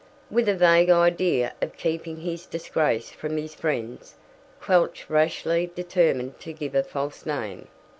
With a vague idea of keeping his disgrace from his friends, Quelch rashly determined to give a false name.